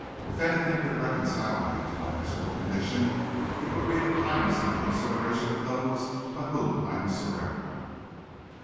If anything could reconcile me to my miserable condition, it would be the kindness and consideration of those by whom I am surrounded."